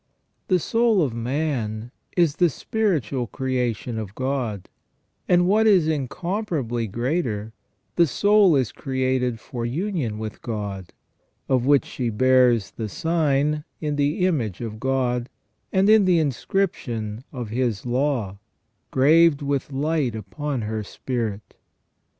The soul of man is the spiritual creation of God, and, what is incomparably greater, the soul is created for union with God, of which she bears the sign in the image of God and in the inscription of His law, graved with light upon her spirit.